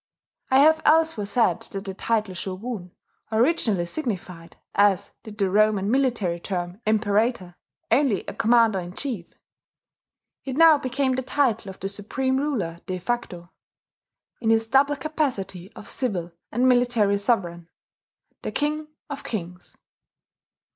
I have elsewhere said that the title "shogun" originally signified, as did the Roman military term Imperator, only a commander in chief: it now became the title of the supreme ruler de facto, in his double capacity of civil and military sovereign, the King of kings.